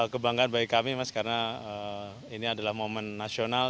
kebanggaan bagi kami mas karena ini adalah momen nasional